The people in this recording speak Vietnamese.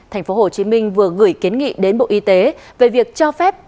tp hcm vừa gửi kiến nghị đến bộ y tế về việc cho phép